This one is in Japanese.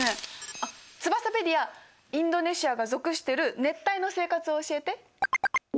あっツバサペディアインドネシアが属してる熱帯の生活を教えて。